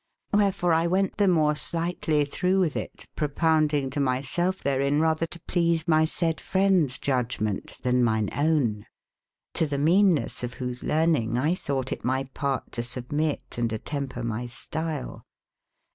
Cdberf ore X wente tbe more sleigbtlye tbrougb witb it, propound ynge to my selfe therein, ratber to please mysaydefrendesjudgemente, tbenmyne owne. r^o tbe mean esse of whose learn inge X tbougb te it my part to submit and attemper my stile.